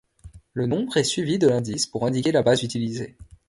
Le nombre est suivi de l'indice pour indiquer la base utilisée.